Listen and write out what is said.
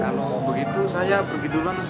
kalau begitu saya pergi dulu mas